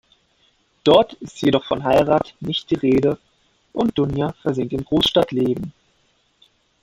Dort ist jedoch von Heirat nicht die Rede und Dunja versinkt im Großstadtleben.